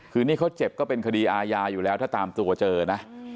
คือนี่เขาเจ็บก็เป็นคดีอาญาอยู่แล้วถ้าตามตัวเจอนะ